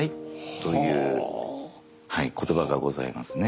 という言葉がございますね。